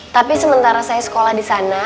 tapi sementara saya sekolah disana